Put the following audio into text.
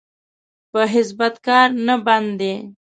په هېڅ بد کار نه بند دی.